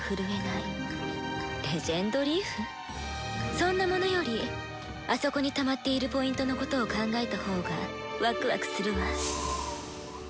そんなものよりあそこにたまっているＰのことを考えた方がワクワクするわ。